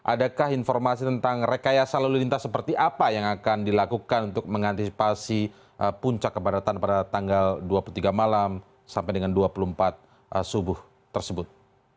adakah informasi tentang rekayasa lalu lintas seperti apa yang akan dilakukan untuk mengantisipasi puncak kepadatan pada tanggal dua puluh tiga malam sampai dengan dua puluh empat subuh tersebut